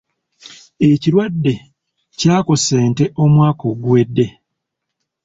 Ekirwadde kyakosa ente omwaka oguwedde.